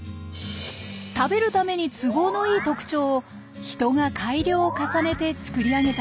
食べるために都合のいい特徴を人が改良を重ねて作り上げたものです。